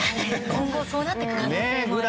今後、そうなっていく可能性もありますよね。